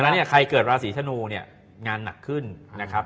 ในนั้นใครเกิดราศีธนูงานหนักขึ้นนะครับ